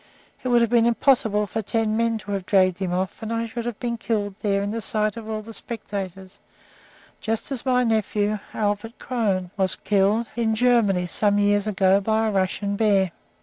It would have been impossible for ten men to have dragged him off, and I should have been killed there in the sight of the spectators, just as my nephew, Albert Krone, was killed in Germany some years ago by a Russian bear."